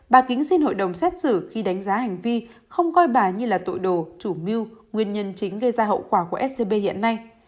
bà kính xin hội đồng xét xử khi đánh giá hành vi không coi bà như là tội đồ chủ mưu nguyên nhân chính gây ra hậu quả của scb hiện nay